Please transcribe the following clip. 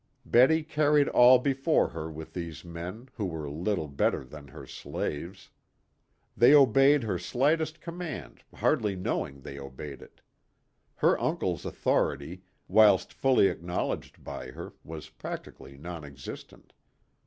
Betty carried all before her with these men who were little better than her slaves. They obeyed her lightest command hardly knowing they obeyed it. Her uncle's authority, whilst fully acknowledged by her, was practically non existent.